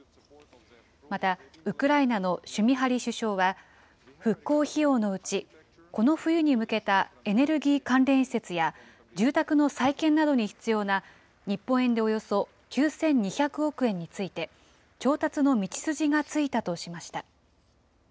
またウクライナのシュミハリ首相は、復興費用のうち、この冬に向けたエネルギー関連施設や、住宅の再建などに必要な、日本円でおよそ９２００億円について、調達の道筋がついたとしました。